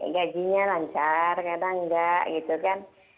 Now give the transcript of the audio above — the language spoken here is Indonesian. gajinya lancar kadang enggak gitu kan